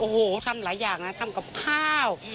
โอ้โหทำหลายอย่างนะทำกับข้าว